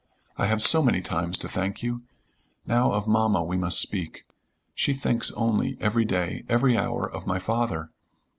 I have so many times to thank you. Now of mamma we must speak. She thinks only, every day, every hour, of my father.